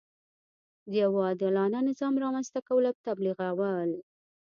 د یوه عادلانه نظام رامنځته کول تبلیغول.